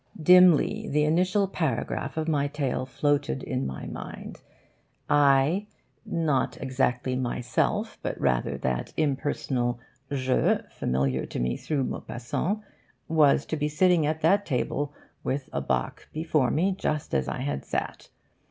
Dimly, the initial paragraph of my tale floated in my mind. I not exactly I myself, but rather that impersonal je familiar to me through Maupassant was to be sitting at that table, with a bock before me, just as I had sat.